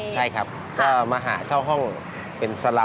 ใช่ครับก็มาหาเช่าห้องเป็นสลาม